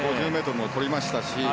５０ｍもとりましたし。